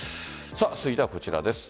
続いてはこちらです。